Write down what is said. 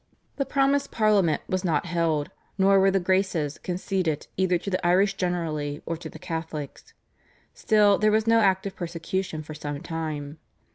The promised Parliament was not held, nor were the "Graces" conceded either to the Irish generally or to the Catholics. Still, there was no active persecution for some time.